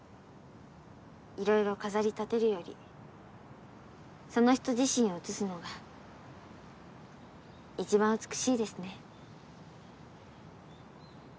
いろいろ飾りたてるよりその人自身を写すのが一番美しいですね